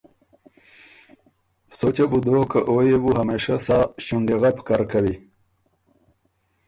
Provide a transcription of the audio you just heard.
سوچه بُو دوک که او يې بُو همېشۀ سا ݭُونډیغپ کر کوی۔